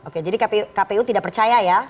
oke jadi kpu tidak percaya ya